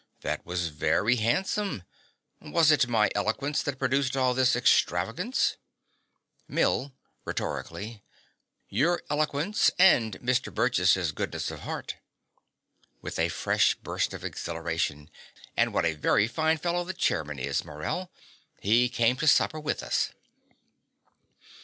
That was very handsome. Was it my eloquence that produced all this extravagance? MILL (rhetorically). Your eloquence, and Mr. Burgess's goodness of heart. (With a fresh burst of exhilaration.) And what a very fine fellow the chairman is, Morell! He came to supper with us.